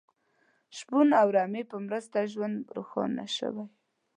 د شپون او رمې په مرسته ژوند روښانه شوی.